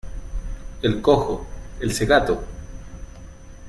el cojo, el cegato